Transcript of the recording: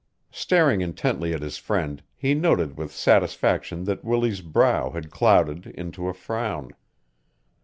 Staring intently at his friend, he noted with satisfaction that Willie's brow had clouded into a frown.